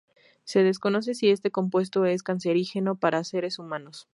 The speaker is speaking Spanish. Se desconoce si este compuesto es cancerígeno para seres humanos.